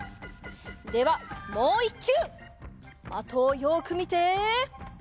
ではもういっきゅう！的をよくみて。